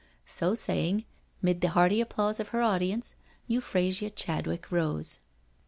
So saying, mid the hearty applause of her audience, Euphrasia Chadwick rose.